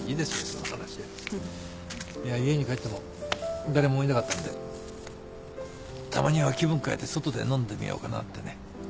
家に帰っても誰もいなかったんでたまには気分変えて外で飲んでみようかなってね。